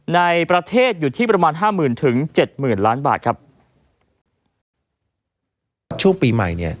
ในประเทศอยู่ที่ประมาณห้าหมื่นถึงเจ็ดหมื่นล้านบาทครับช่วงปีใหม่เนี่ย